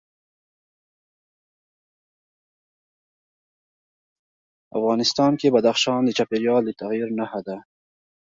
افغانستان کې بدخشان د چاپېریال د تغیر نښه ده.